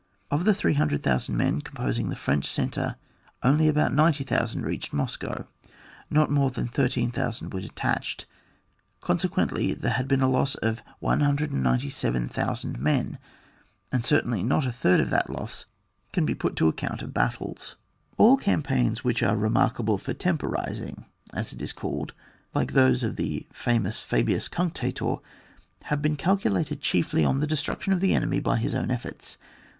Of the 300,000 men composing the French centre only abont 90, 000 reached Moscow ; not more than 13,000 were detached; consequently there had been a loss of 197,000 men, and certainly not a third of that loss can be put to account of battles. All campaigns which are remarkable for temporising, as it is called, like those of ihe famous Fabius Gunctator, haye been calculated chiefly on the destruction of the enemy by his own efforts.